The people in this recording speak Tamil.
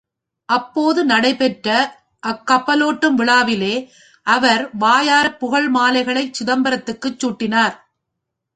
அப்போது நடைபெற்ற அக்கப்பலோட்டும் விழாவிலே அவர் வாயாரப் புகழ் மாலைகளைச் சிதம்பரத்துக்குச் சூட்டினார்.